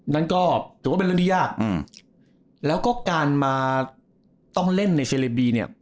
นั่นก็ถือว่าเป็นเรื่องที่ยากอืมแล้วก็การมาต้องเล่นในเซเลบีเนี่ย